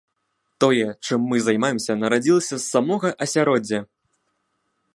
Тое, чым мы займаемся, нарадзілася з самога асяроддзя.